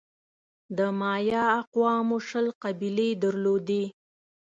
د مایا اقوامو شل قبیلې درلودې.